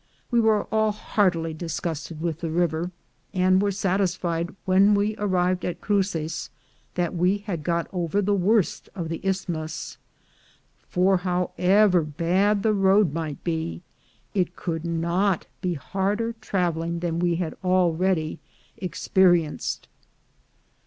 We were all heartily disgusted with the river, and were satisfied, when we arrived at Cruces, that we had got over the worst of the Isthmus; for however bad the road might be, it could not be harder travel ing than we had already experienced.